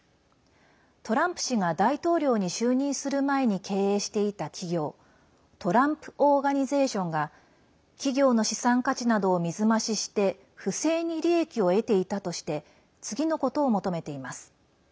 トランプ氏が大統領に就任する前に経営していた企業トランプ・オーガニゼーションが企業の資産価値などを水増しして不正に利益を得ていたとして次のことを求めています。